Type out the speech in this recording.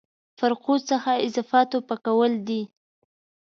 فرقو څخه اضافاتو پاکول دي.